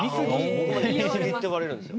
僕もね見すぎって言われるんですよ。